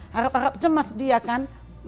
harap harap cemas dia kan